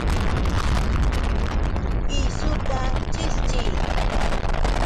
¡Kisuta chishchiy!